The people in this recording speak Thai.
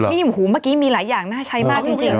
นี่โอ้โหเมื่อกี้มีหลายอย่างน่าใช้มากจริง